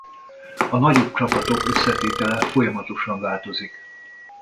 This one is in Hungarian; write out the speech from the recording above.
A nagyobb csapatok összetétele folyamatosan változik.